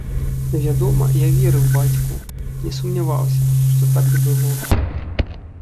Вядома, я верыў бацьку, не сумняваўся, што так і было.